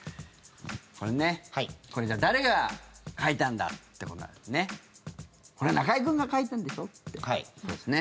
これね、これ誰が描いたんだ？ってことだもんね。